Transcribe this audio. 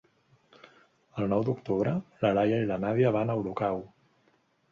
El nou d'octubre na Laia i na Nàdia van a Olocau.